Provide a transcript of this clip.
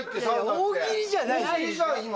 大喜利じゃん、今。